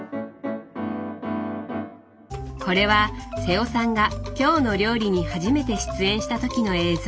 これは瀬尾さんが「きょうの料理」に初めて出演した時の映像。